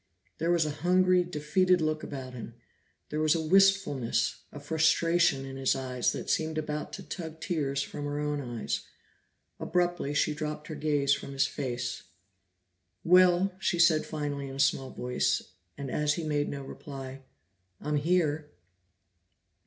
There was a hungry, defeated look about him; there was a wistfulness, a frustration, in his eyes that seemed about to tug tears from her own eyes. Abruptly she dropped her gaze from his face. "Well?" she said finally in a small voice, and as he made no reply, "I'm here."